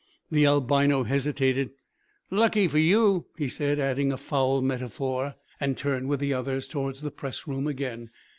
The albino hesitated. "Lucky for you," he said, adding a foul metaphor, and turned with the others towards the press room again.